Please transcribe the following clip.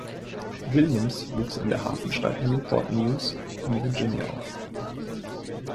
Williams wuchs in der Hafenstadt Newport News in Virginia auf.